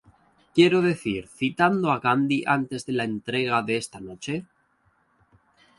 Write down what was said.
Quiero decir, ¿citando a Gandhi antes de la entrega de esta noche?